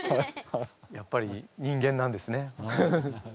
やっぱり人間なんですねフフフ。